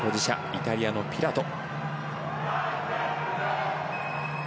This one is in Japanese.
イタリアのピラト。